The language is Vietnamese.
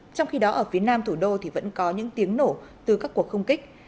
trong khi đó ở phía nam thủ đô thì vẫn có những tiếng nổ từ các cuộc không kích